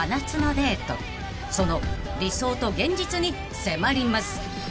［その理想と現実に迫ります］